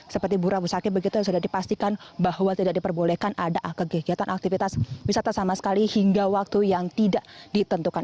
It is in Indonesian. seperti burah musakih begitu yang sudah dipastikan bahwa tidak diperbolehkan ada kegiatan aktivitas wisata sama sekali hingga waktu yang tidak ditentukan